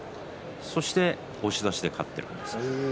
そして押し出しで勝っています。